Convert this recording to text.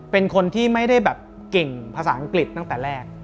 เป็นคนที่ไม่ได้แบบเก่งภาษาอังกฤษตั้งแต่แรก